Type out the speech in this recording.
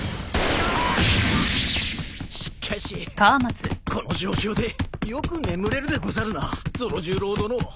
しかしこの状況でよく眠れるでござるなゾロ十郎殿。